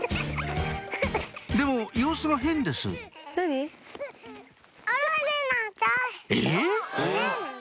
でも様子が変ですえっ？